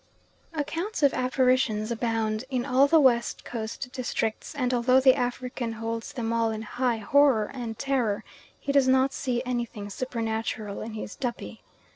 Accounts of apparitions abound in all the West Coast districts, and although the African holds them all in high horror and terror, he does not see anything supernatural in his "Duppy."